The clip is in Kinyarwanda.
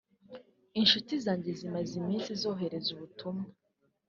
Inshuti zanjye zimaze iminsi zohereza ubutumwa